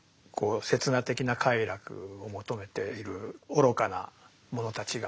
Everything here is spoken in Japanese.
刹那的な快楽を求めている愚かな者たちが住んでると。